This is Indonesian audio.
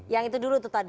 yang itu dulu tuh tadi